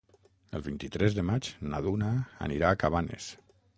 El vint-i-tres de maig na Duna anirà a Cabanes.